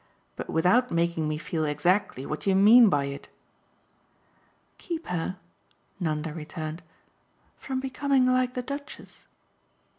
"But without making me feel exactly what you mean by it." "Keep her," Nanda returned, "from becoming like the Duchess."